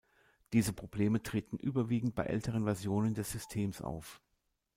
Diese Probleme treten überwiegend bei älteren Versionen des Systems auf.